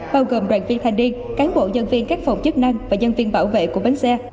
bao gồm đoàn viên thanh niên cán bộ nhân viên các phòng chức năng và nhân viên bảo vệ của bến xe